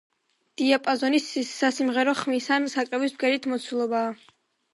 დიაპაზონი სასიმღერო ხმის ან საკრავის ბგერითი მოცულობაა.